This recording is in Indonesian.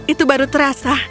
itu baru terasa